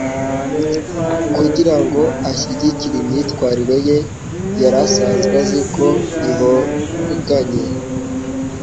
kugira ngo ashyigikire imyitwarire ye yari asanzwe azi ko iboganye.